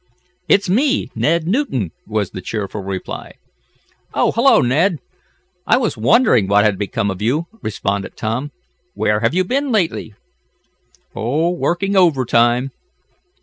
"It's me Ned Newton," was the cheerful reply. "Oh, hello, Ned! I was wondering what had become of you," responded Tom. "Where have you been lately?" "Oh, working overtime."